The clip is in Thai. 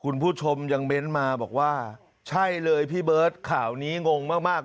คุณผู้ชมยังเน้นมาบอกว่าใช่เลยพี่เบิร์ตข่าวนี้งงมากมาก